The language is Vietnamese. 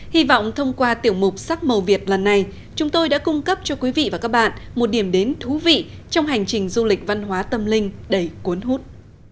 hy vọng thông qua tiểu mục sắc màu việt lần này chúng tôi đã cung cấp cho quý vị và các bạn một điểm đến thú vị trong hành trình du lịch văn hóa tâm linh đầy cuốn hút